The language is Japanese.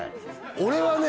俺はね